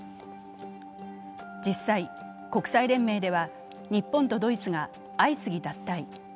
実際、国際連盟では日本とドイツが相次ぎ脱退。